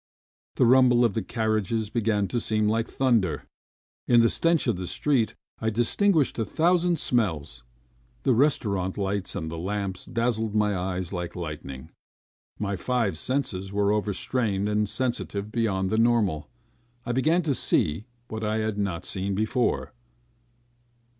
The rumble of the carriages began to seem like thunder, in the stench of the street I distinguished a thousand smells. The restaurant lights and the lamps dazzled my eyes like lightning. My five senses were overstrained and sensitive beyond the normal. I began to see what I had not seen before.